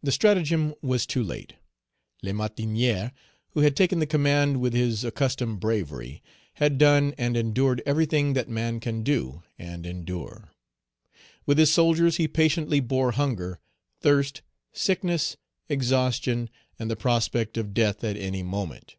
The stratagem was too late. Lamartinière, who had taken the command with his accustomed bravery, had done and endured everything that man can do and endure. With his soldiers he patiently bore hunger, thirst, sickness, exhaustion, and the prospect of death at any moment.